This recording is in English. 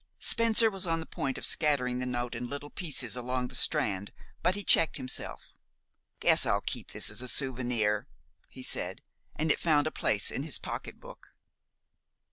Spencer was on the point of scattering the note in little pieces along the Strand; but he checked himself. "Guess I'll keep this as a souvenir," he said, and it found a place in his pocketbook.